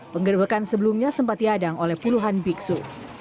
penggerbekan sebelumnya sempat diadang oleh puluhan biksu